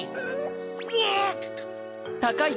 うわ！